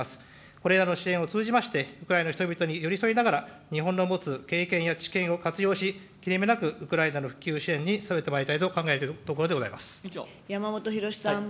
これらの支援を通じまして、ウクライナの人々に寄り添いながら、日本の持つ経験や知見を活用し、切れ目なくウクライナの復旧支援に努めてまいりたいと考えている山本博司さん。